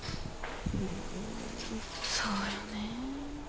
うんそうよね。